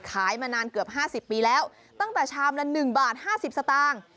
มานานเกือบ๕๐ปีแล้วตั้งแต่ชามละ๑บาท๕๐สตางค์